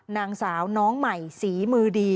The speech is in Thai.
นางสาวน้องใหม่ฝีมือดี